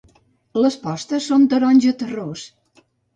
Les potes són taronja terrós.